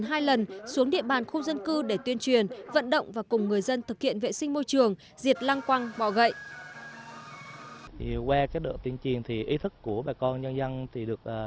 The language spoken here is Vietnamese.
hai lần xuống địa bàn khu dân cư để tuyên truyền vận động và cùng người dân thực hiện vệ sinh môi trường diệt lăng quăng bọ gậy